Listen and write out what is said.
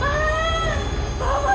bapak ya allah